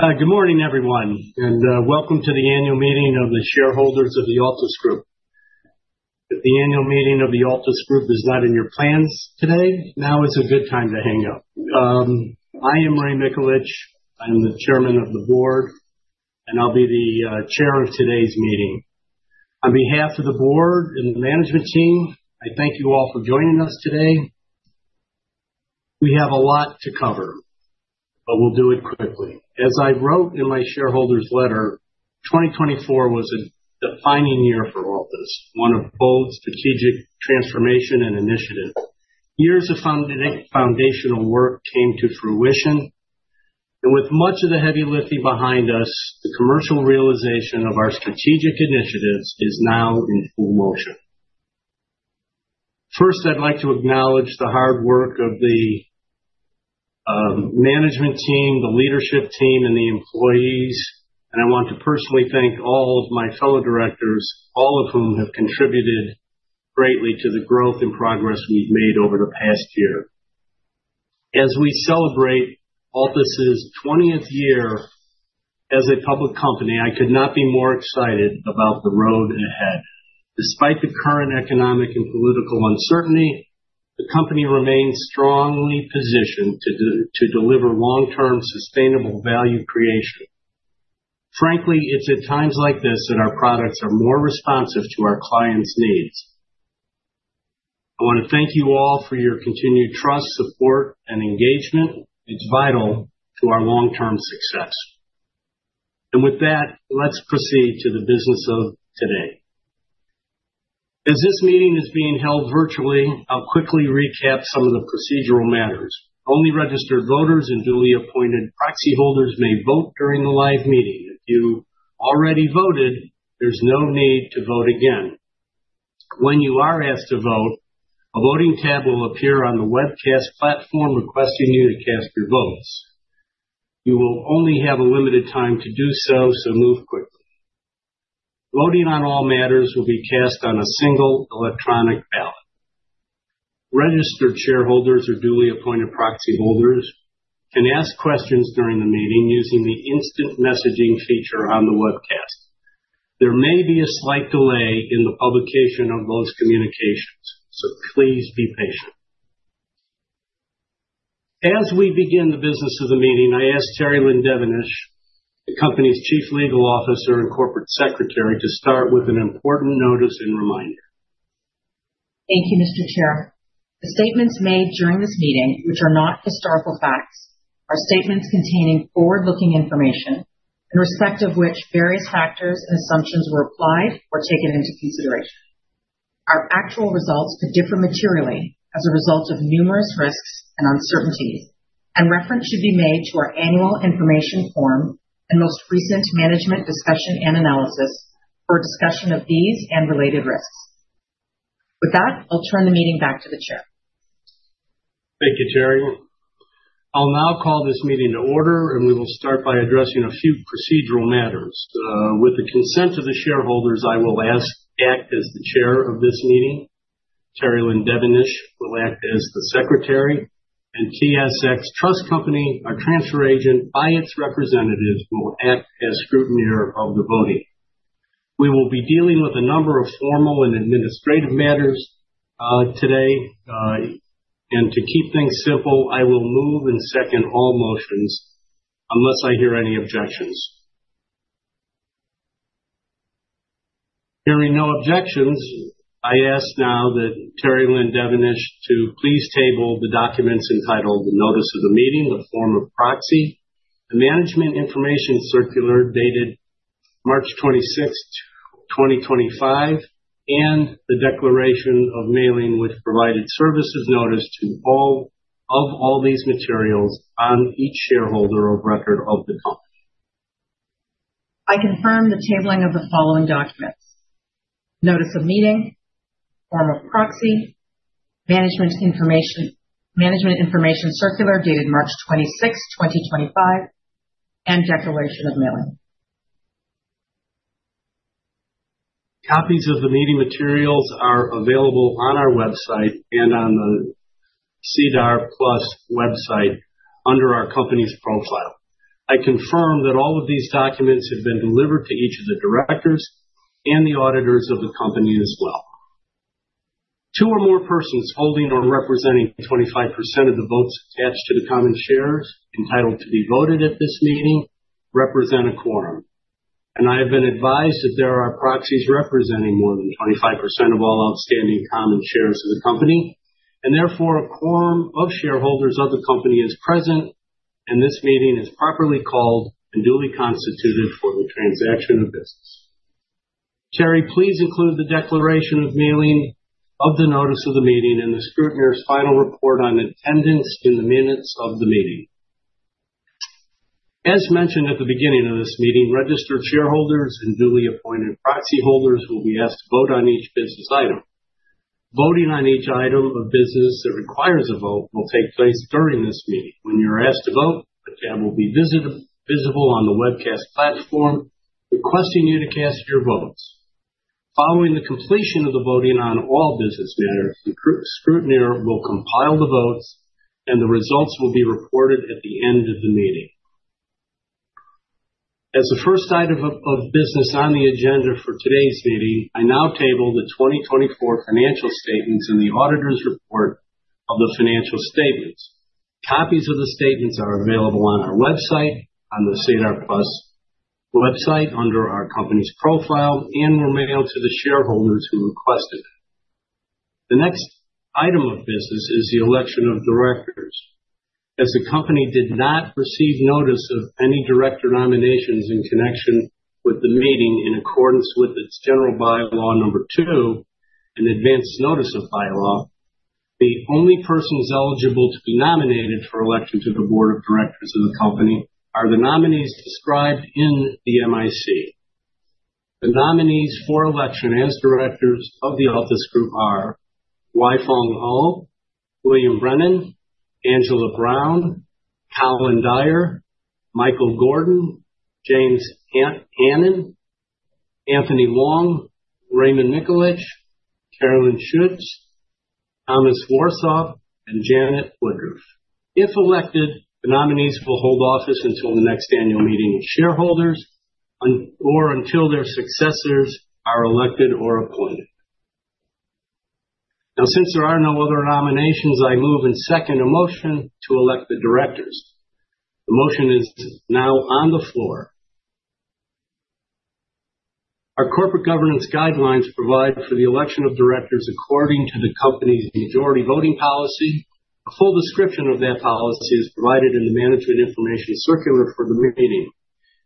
Good morning, everyone, and welcome to the annual meeting of the shareholders of the Altus Group. If the annual meeting of the Altus Group is not in your plans today, now is a good time to hang up. I am Ray Mikulich. I am the Chairman of the Board, and I'll be the chair of today's meeting. On behalf of the board and the management team, I thank you all for joining us today. We have a lot to cover, but we'll do it quickly. As I wrote in my shareholders' letter, 2024 was a defining year for Altus, one of bold strategic transformation and initiative. Years of foundational work came to fruition, and with much of the heavy lifting behind us, the commercial realization of our strategic initiatives is now in full motion. First, I'd like to acknowledge the hard work of the management team, the leadership team, and the employees, and I want to personally thank all of my fellow directors, all of whom have contributed greatly to the growth and progress we've made over the past year. As we celebrate Altus's 20th year as a public company, I could not be more excited about the road ahead. Despite the current economic and political uncertainty, the company remains strongly positioned to deliver long-term sustainable value creation. Frankly, it's at times like this that our products are more responsive to our clients' needs. I want to thank you all for your continued trust, support, and engagement. It's vital to our long-term success, and with that, let's proceed to the business of today. As this meeting is being held virtually, I'll quickly recap some of the procedural matters. Only registered voters and duly appointed proxy holders may vote during the live meeting. If you already voted, there's no need to vote again. When you are asked to vote, a voting tab will appear on the webcast platform requesting you to cast your votes. You will only have a limited time to do so, so move quickly. Voting on all matters will be cast on a single electronic ballot. Registered shareholders or duly appointed proxy holders can ask questions during the meeting using the instant messaging feature on the webcast. There may be a slight delay in the publication of those communications, so please be patient. As we begin the business of the meeting, I ask Terrie L. Devonish, the company's Chief Legal Officer and Corporate Secretary, to start with an important notice and reminder. Thank you, Mr. Chair. The statements made during this meeting, which are not historical facts, are statements containing forward-looking information, in respect of which various factors and assumptions were applied or taken into consideration. Our actual results could differ materially as a result of numerous risks and uncertainties, and reference should be made to our Annual Information Form and most recent Management Discussion and Analysis for discussion of these and related risks. With that, I'll turn the meeting back to the chair. Thank you, Terri. I'll now call this meeting to order, and we will start by addressing a few procedural matters. With the consent of the shareholders, I will act as the chair of this meeting. Terrie L. Devonish will act as the secretary, and TSX Trust Company, our transfer agent by its representatives, will act as scrutineer of the voting. We will be dealing with a number of formal and administrative matters today, and to keep things simple, I will move and second all motions unless I hear any objections. Hearing no objections, I ask now that Terrie L. Devonish to please table the documents entitled The Notice of the Meeting, the form of proxy, the Management Information Circular dated March 26th, 2025, and the Declaration of Mailing which provided service notice to all of these materials on each shareholder of record of the company. I confirm the tabling of the following documents: Notice of Meeting, form of proxy, management information circular dated March 26, 2025, and declaration of mailing. Copies of the meeting materials are available on our website and on the SEDAR+ website under our company's profile. I confirm that all of these documents have been delivered to each of the directors and the auditors of the company as well. Two or more persons holding or representing 25% of the votes attached to the common shares entitled to be voted at this meeting represent a quorum, and I have been advised that there are proxies representing more than 25% of all outstanding common shares of the company, and therefore a quorum of shareholders of the company is present, and this meeting is properly called and duly constituted for the transaction of business. Terrie, please include the declaration of mailing of the notice of the meeting and the scrutineer's final report on attendance in the minutes of the meeting. As mentioned at the beginning of this meeting, registered shareholders and duly appointed proxy holders will be asked to vote on each business item. Voting on each item of business that requires a vote will take place during this meeting. When you're asked to vote, a tab will be visible on the webcast platform requesting you to cast your votes. Following the completion of the voting on all business matters, the scrutineer will compile the votes, and the results will be reported at the end of the meeting. As the first item of business on the agenda for today's meeting, I now table the 2024 financial statements and the auditor's report of the financial statements. Copies of the statements are available on our website on the SEDAR+ website under our company's profile and were mailed to the shareholders who requested it. The next item of business is the election of directors. As the company did not receive notice of any director nominations in connection with the meeting in accordance with its General By-law No. 2, an advance notice bylaw, the only persons eligible to be nominated for election to the board of directors of the company are the nominees described in the MIC. The nominees for election as directors of the Altus Group are Wai-Fong Au, William Brennan, Angela Brown, Colin Dyer, Michael Gordon, James Hannon, Anthony Long, Raymond Mikulich, Carolyn Schuetz, Thomas Warsop, and Janet Woodruff. If elected, the nominees will hold office until the next annual meeting of shareholders or until their successors are elected or appointed. Now, since there are no other nominations, I move and second a motion to elect the directors. The motion is now on the floor. Our corporate governance guidelines provide for the election of directors according to the company's majority voting policy. A full description of that policy is provided in the management information circular for the meeting.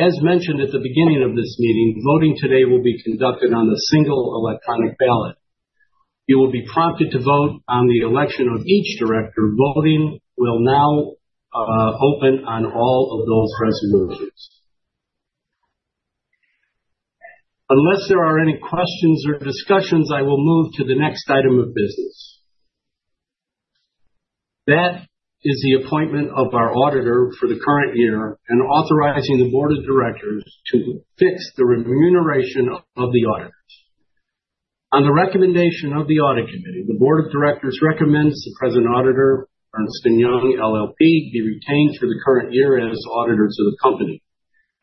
As mentioned at the beginning of this meeting, voting today will be conducted on a single electronic ballot. You will be prompted to vote on the election of each director. Voting will now open on all of those resolutions. Unless there are any questions or discussions, I will move to the next item of business. That is the appointment of our auditor for the current year and authorizing the board of directors to fix the remuneration of the auditors. On the recommendation of the audit committee, the board of directors recommends the present auditor, Ernst & Young LLP, be retained for the current year as auditor to the company.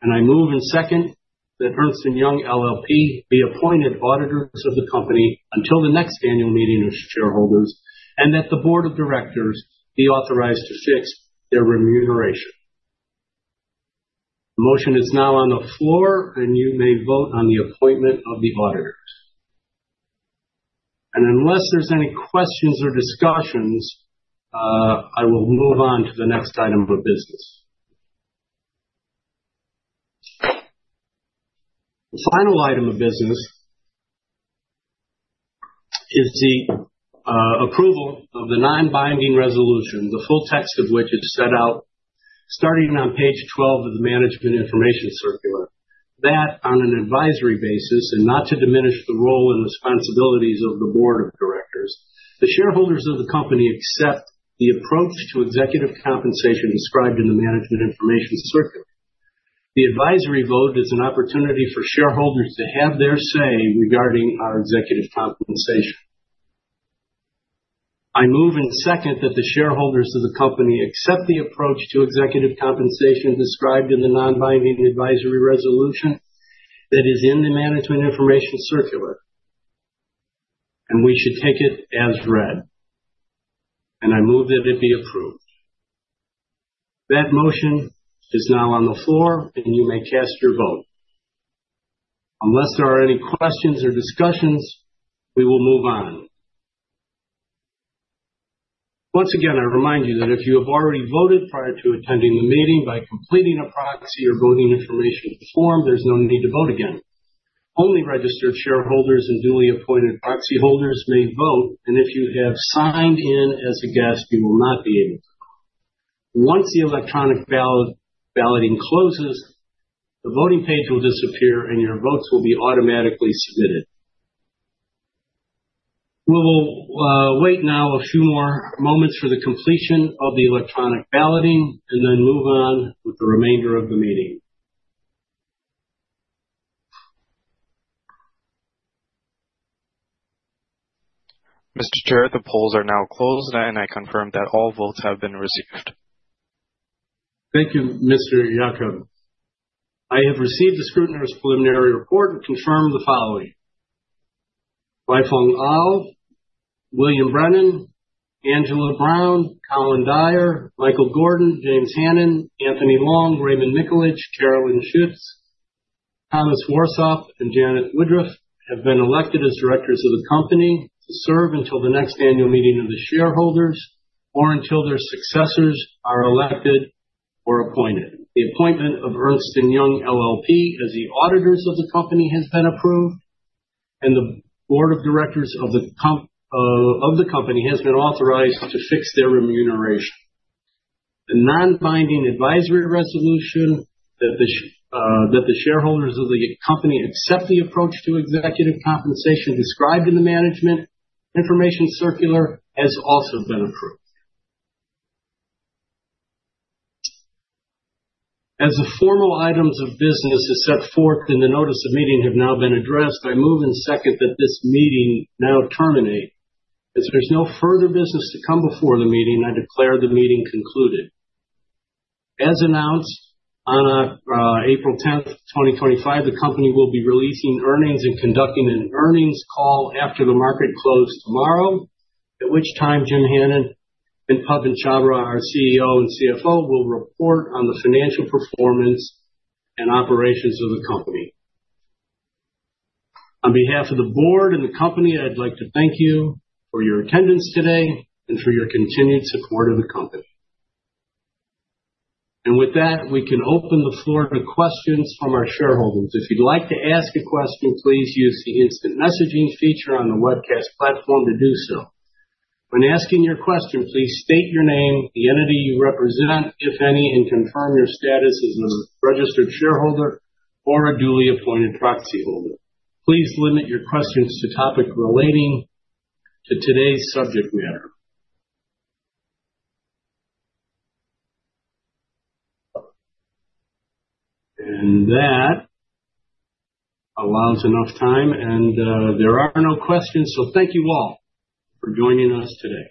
And I move and second that Ernst & Young LLP be appointed auditors of the company until the next annual meeting of shareholders and that the board of directors be authorized to fix their remuneration. The motion is now on the floor, and you may vote on the appointment of the auditors, and unless there's any questions or discussions, I will move on to the next item of business. The final item of business is the approval of the non-binding resolution, the full text of which is set out starting on page 12 of the management information circular. That on an advisory basis and not to diminish the role and responsibilities of the board of directors, the shareholders of the company accept the approach to executive compensation described in the management information circular. The advisory vote is an opportunity for shareholders to have their say regarding our executive compensation. I move and second that the shareholders of the company accept the approach to executive compensation described in the non-binding advisory resolution that is in the management information circular, and we should take it as read, and I move that it be approved. That motion is now on the floor, and you may cast your vote. Unless there are any questions or discussions, we will move on. Once again, I remind you that if you have already voted prior to attending the meeting by completing a proxy or voting information form, there's no need to vote again. Only registered shareholders and duly appointed proxy holders may vote, and if you have signed in as a guest, you will not be able to vote. Once the electronic balloting closes, the voting page will disappear, and your votes will be automatically submitted. We will wait now a few more moments for the completion of the electronic balloting and then move on with the remainder of the meeting. Mr. Chair, the polls are now closed, and I confirm that all votes have been received. Thank you, Mr. Yacob. I have received the scrutineer's preliminary report and confirm the following: Wai-Fong Wong, William Brennan, Angela Brown, Colin Dyer, Michael Gordon, James Hannon, Anthony Long, Raymond Mikulich, Carolyn Schuetz, Thomas Warsop, and Janet Woodruff have been elected as directors of the company to serve until the next annual meeting of the shareholders or until their successors are elected or appointed. The appointment of Ernst & Young LLP as the auditors of the company has been approved, and the board of directors of the company has been authorized to fix their remuneration. The non-binding advisory resolution that the shareholders of the company accept the approach to executive compensation described in the management information circular has also been approved. As the formal items of business is set forth in the notice of meeting have now been addressed, I move and second that this meeting now terminate. As there's no further business to come before the meeting, I declare the meeting concluded. As announced on April 10, 2025, the company will be releasing earnings and conducting an earnings call after the market closes tomorrow, at which time Jim Hannon and Pawan Chhabra, our CEO and CFO, will report on the financial performance and operations of the company. On behalf of the board and the company, I'd like to thank you for your attendance today and for your continued support of the company, and with that, we can open the floor to questions from our shareholders. If you'd like to ask a question, please use the instant messaging feature on the webcast platform to do so. When asking your question, please state your name, the entity you represent, if any, and confirm your status as a registered shareholder or a duly appointed proxy holder. Please limit your questions to topics relating to today's subject matter, and that allows enough time, and there are no questions, so thank you all for joining us today.